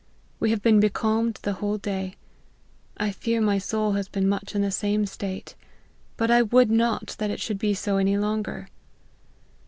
We have been becalmed the whole day. I fear my soul has been much in the same state : but I would not that it should be so any longer."